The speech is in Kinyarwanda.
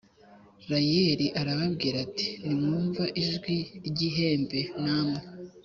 rayeli arababwira ati nimwumva ijwi ry ihembe namwe